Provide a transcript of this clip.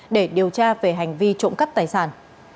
để điều tra về hành vi trộm cắp tài sản